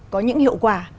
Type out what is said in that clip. có những hiệu quả